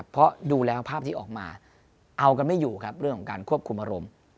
เพราะดูแล้วภาพที่ออกมาเอากันไม่อยู่ครับเรื่องของการควบคุมอารมณ์